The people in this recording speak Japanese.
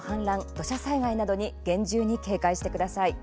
土砂災害などに厳重に警戒してください。